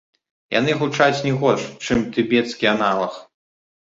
Яны гучаць не горш, чым тыбецкі аналаг.